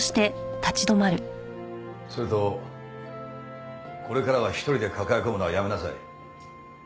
それとこれからは一人で抱え込むのはやめなさい。